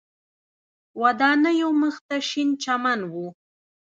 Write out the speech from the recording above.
ودانیو مخ ته شین چمن و.